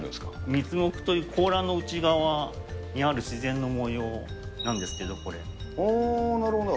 水もくという甲羅の内側にある自然のものなんですけど、なるほど。